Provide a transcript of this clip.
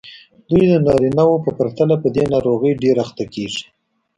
دوی د نارینه وو په پرتله په دې ناروغۍ ډېرې اخته کېږي.